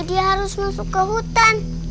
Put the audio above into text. dia harus masuk ke hutan